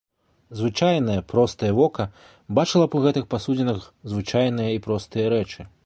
Звычайнае, простае вока бачыла б у гэтых пасудзінах звычайныя і простыя рэчы.